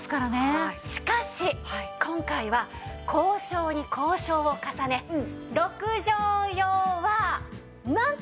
しかし今回は交渉に交渉を重ね６畳用はなんと。